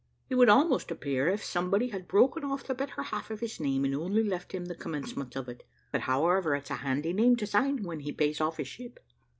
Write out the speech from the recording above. It would almost appear as if somebody had broken off the better half of his name, and only left him the commencement of it; but, however, it's a handy name to sign when he pays off his ship.